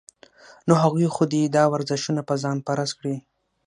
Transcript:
نو هغوي خو دې دا ورزشونه پۀ ځان فرض کړي -